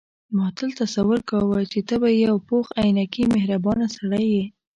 ما تل تصور کاوه چې ته به یو پوخ عینکي مهربانه سړی یې.